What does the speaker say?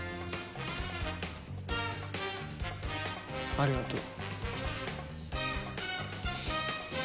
ありがとう。